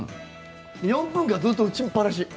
４分間ずっと打ちっぱなし。